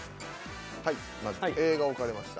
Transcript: はいまず「え」が置かれました。